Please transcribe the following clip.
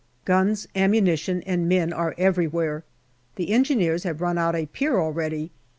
Guns, ammunition, and men are every where. The Engineers have run out a pier already.